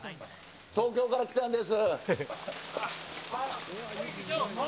東京から来たんです。